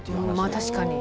確かに。